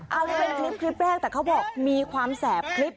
เอาเลยเป็นคลิป๑แต่เขาบอกมีความแสบคลิป๒